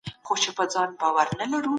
اقتصادي پريکړي څنګه کیږي؟